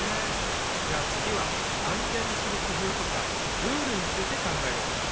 じゃあつぎはあんぜんにするくふうとかルールについて考えよう。